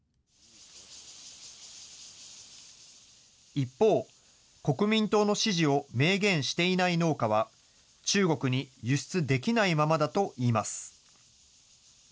一方、国民党の支持を明言していない農家は、中国に輸出できないままだといいます。